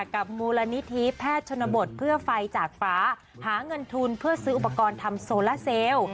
กับมูลนิธิแพทย์ชนบทเพื่อไฟจากฟ้าหาเงินทุนเพื่อซื้ออุปกรณ์ทำโซล่าเซลล์